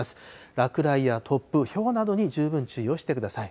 落雷や突風、ひょうなどに十分注意をしてください。